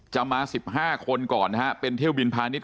มา๑๕คนก่อนนะฮะเป็นเที่ยวบินพาณิชย